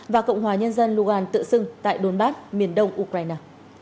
và cộng hòa nhân dân lugan tự xưng tại donbass miền đông ukraine